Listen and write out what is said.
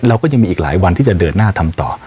เราก็ยังมีอีกหลายวันที่จะเดินหน้าทำต่อ